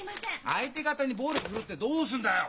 相手方に暴力振るってどうするんだよ？